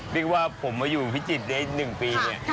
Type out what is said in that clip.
ลึกว่าผมมาอยู่พิจิตรในหนึ่งปีนี้